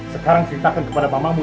sekarang silahkan kepada mamamu